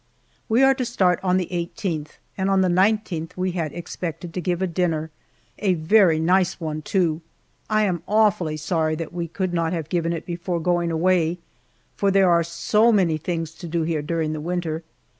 We are to start on the eighteenth, and on the nineteenth we had expected to give a dinner a very nice one, too. I am awfully sorry that we could not have given it before going away, for there are so many things to do here during the winter.